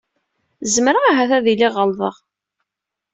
Zemreɣ ahat ad iliɣ ɣelḍeɣ.